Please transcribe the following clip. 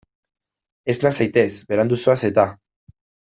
Esna zaitez, berandu zoaz eta.